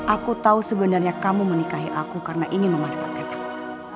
aku tahu sebenarnya kamu menikahi aku karena ingin memanfaatkan aku